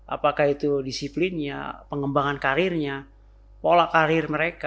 apakah itu disiplinnya pengembangan karirnya pola karir mereka